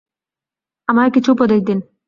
আমাকে কিছু উপদেশ দিন।